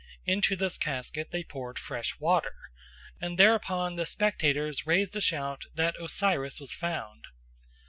Into this casket they poured fresh water, and thereupon the spectators raised a shout that Osiris was found.